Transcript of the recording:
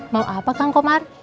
mau apa kang komar